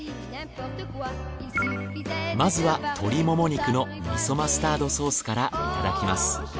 まずは鶏もも肉の味噌マスタードソースからいただきます。